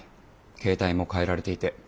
携帯も変えられていて。